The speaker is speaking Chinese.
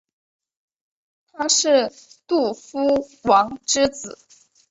他是杜夫王之子。